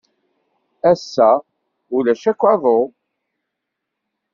Ass-a, ulac akk aḍu.